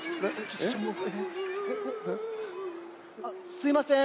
すいません。